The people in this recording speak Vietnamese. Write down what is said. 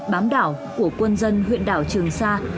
bám đảo của quân dân huyện đảo trường sa